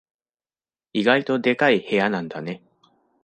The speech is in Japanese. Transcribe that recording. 意外とでかい部屋なんだね。